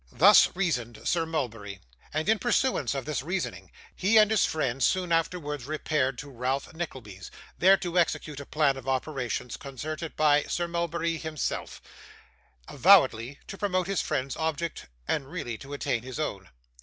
Thus reasoned Sir Mulberry, and in pursuance of this reasoning he and his friend soon afterwards repaired to Ralph Nickleby's, there to execute a plan of operations concerted by Sir Mulberry himself, avowedly to promote his friend's object, and really to attain his own.